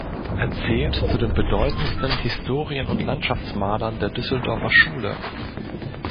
Er zählt zu den bedeutendsten Historien- und Landschaftsmalern der Düsseldorfer Schule.